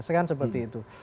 sekarang seperti itu